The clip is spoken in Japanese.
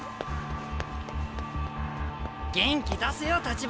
元気出せよ橘！